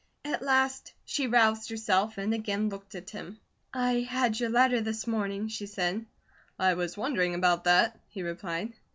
At last she roused herself and again looked at him. "I had your letter this morning," she said. "I was wondering about that," he replied.